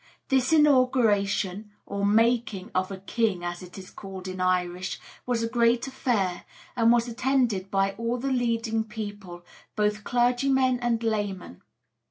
This Inauguration, or 'making' of a king as it is called in Irish, was a great affair, and was attended by all the leading people, both clergymen and laymen.